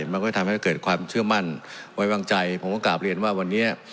มันก็ทำให้เกิดความเชื่อมั่นไว้วางใจผมก็กลับเรียนว่าวันนี้